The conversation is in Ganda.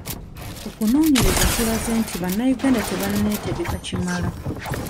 Okunoonyereza kulaze nti bannayuganda tebanneetegeka kimala.